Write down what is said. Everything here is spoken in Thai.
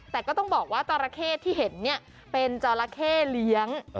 แต่ก็ต้องบอกว่าจราเข้ที่เห็นเนี่ยเป็นจราเข้เลี้ยง